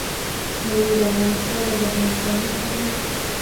مېوې د افغانستان د زرغونتیا نښه ده.